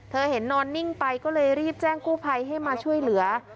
เห็นนอนนิ่งไปก็เลยรีบแจ้งกู้ภัยให้มาช่วยเหลือ